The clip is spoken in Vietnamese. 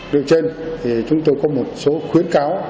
điều trên thì chúng tôi có một số khuyến cáo